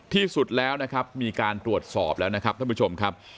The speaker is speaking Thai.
ที่สุดแล้วมีการตรวจสอบแล้วท่านผู้ชมครับ